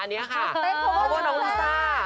เต้นอย่างก็ได้